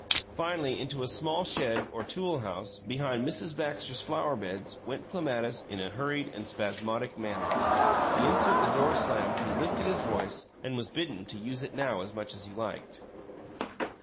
Finally, into a small shed or tool house, behind Mrs. Baxter's flower beds, went Clematis in a hurried and spasmodic manner. The instant the door slammed he lifted his voice and was bidden to use it now as much as he liked.